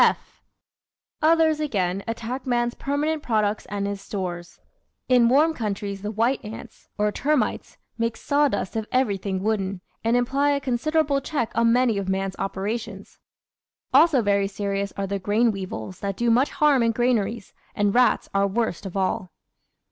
(/) Others, again, attack man's permanent products and his stores. In warm countries the white ants or termites make sawdust of everything wooden, and imply a con siderable check on many of man's operations. Also very serious are the grain weevils that do much harm in granaries, and rats are worst of all.